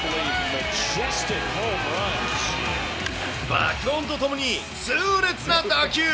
爆音とともに痛烈な打球。